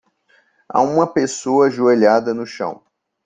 Há uma pessoa ajoelhada no chão.